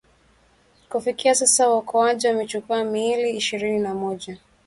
kufikia sasa waokoaji wamechukua miili ishirini na moja